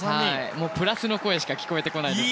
プラスの声しか聞こえてこないですね。